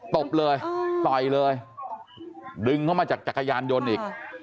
ตบเลยต่อยเลยดึงเข้ามาจากจักรยานยนต์อีก